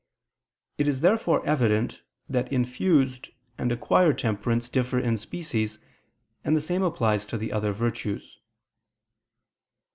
It is therefore evident that infused and acquired temperance differ in species; and the same applies to the other virtues.